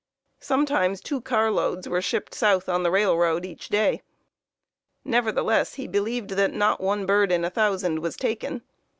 Sometimes two carloads were shipped south on the railroad each day. Nevertheless he believed that not one bird in a thousand was taken.